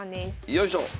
よいしょ。